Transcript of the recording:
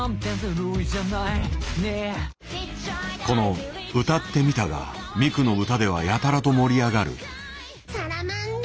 この「歌ってみた」がミクの歌ではやたらと盛り上がる。